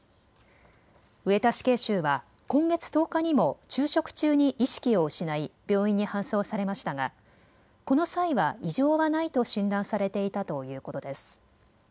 上田死刑囚は今月１０日にも昼食中に意識を失い病院に搬送されましたがこの際は異常はないと診断されていたということです。